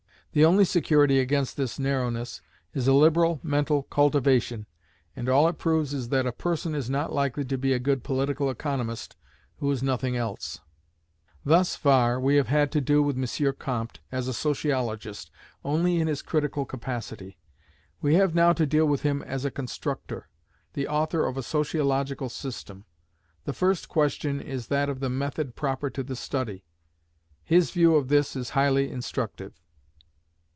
The only security against this narrowness is a liberal mental cultivation, and all it proves is that a person is not likely to be a good political economist who is nothing else. Thus far, we have had to do with M. Comte, as a sociologist, only in his critical capacity. We have now to deal with him as a constructor the author of a sociological system. The first question is that of the Method proper to the study. His view of this is highly instructive.